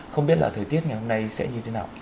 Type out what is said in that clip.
không biết là thời tiết ngày hôm nay sẽ như thế nào